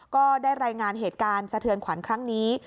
ก็ได้รายงานเหตุการณ์สะเทือนขวัญครั้งนี้